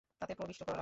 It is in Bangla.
তাতে প্রবিষ্ট করাল।